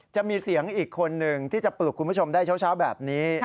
จะมีเสียงอีกคนนึงที่จะปลุกคุณผู้ชมได้เช้าแบบนี้